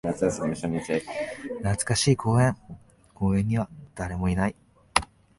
懐かしい公園。公園には誰もいない。